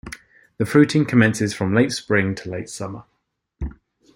The fruiting commences from late spring to late summer.